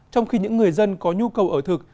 trong khi những người dân có nhu cầu ở thực